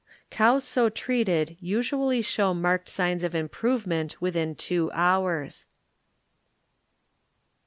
Cows so treated usually show marked signs of improvement within two hours.